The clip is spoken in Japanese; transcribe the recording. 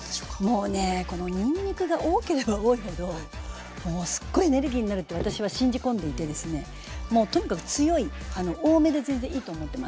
もうねこのにんにくが多ければ多いほどって私は信じ込んでいてですねもうとにかく強い多めで全然いいと思ってます。